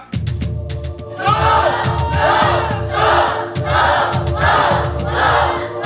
สู้สู้สู้